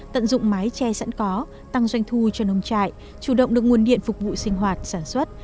tận dụng mái tre sẵn có tăng doanh thu cho nông trại chủ động được nguồn điện phục vụ sinh hoạt sản xuất